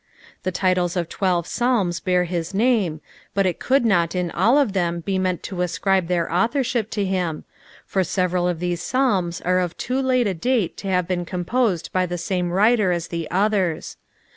The tUtes of Imdve Psalms htar his ruime, but U coutd riot in all r^ them be meant lo ascribe their authorship to him, for stverai x^ Ihfse Psalms are of too late a date to have been composed by the sanu wrller as the others.